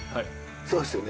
そうですよね。